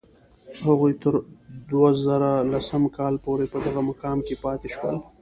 هغوی تر دوه زره لسم کال پورې په دغه مقام کې پاتې شول.